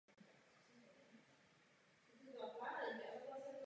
Muži jednoho klanu si museli hledat ženy u jiného.